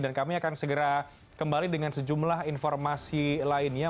dan kami akan segera kembali dengan sejumlah informasi lainnya